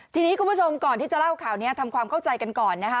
ทีนี้คุณผู้ชมก่อนที่จะเล่าข่าวนี้ทำความเข้าใจกันก่อนนะคะ